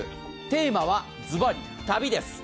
テーマはズバリ、旅です。